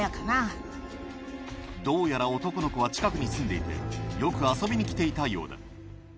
どうやら男の子は近くに住んでいてよく遊びに来ていたようだ